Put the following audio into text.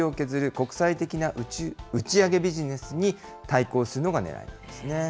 国際的な打ち上げビジネスに対抗するのがねらいなんですね。